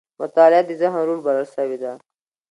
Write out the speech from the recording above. مطالعه د ذهن روح بلل سوې ده.